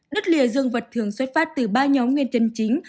đứt lìa dương vật thường xuất phát từ ba nhóm nguyên chân chính